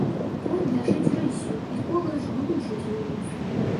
Конь бяжыць рыссю, і колы аж глушаць вуліцу.